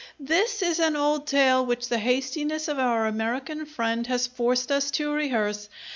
"This is an old tale which the hastiness of our American friend has forced us to rehearse.